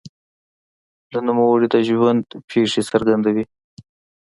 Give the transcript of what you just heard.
د نوموړي د ژوند پېښې څرګندوي.